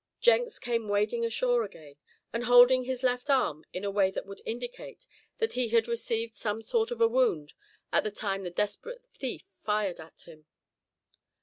Jenks came wading ashore again, and holding his left arm in a way that would indicate that he had received some sort of a wound at the time the desperate thief fired at him.